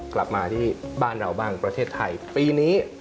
กลับมาที่บ้านเราบ้างประเทศไทยปีนี้